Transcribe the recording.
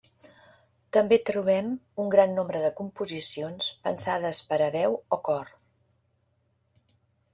També trobem un gran nombre de composicions pensades per a veu o cor.